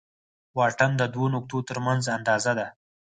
واټن د دوو نقطو تر منځ اندازه ده.